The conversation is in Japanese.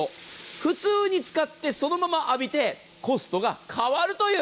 普通に使ってそのまま浴びて、コストが変わるという。